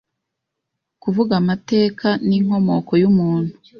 kuvuga amateka n’inkomoko y’umuntu